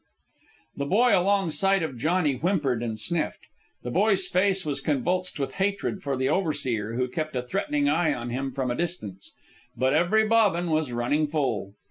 The boy alongside of Johnny whimpered and sniffed. The boy's face was convulsed with hatred for the overseer who kept a threatening eye on him from a distance; but every bobbin was running full.